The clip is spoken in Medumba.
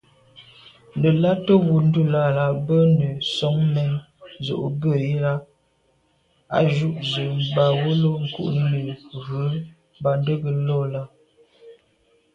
Nə̀ là’tə̌ wud, ndʉ̂lαlα mbə̌ nə̀ soŋ mɛ̌n zə̀ ò bə̂ yi lα, bə α̂ ju zə̀ mbὰwəlô kû’ni nə̀ ghʉ̀ mbὰndʉ̌kəlô lα.